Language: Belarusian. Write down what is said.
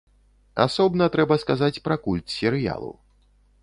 Асобна трэба сказаць пра культ серыялу.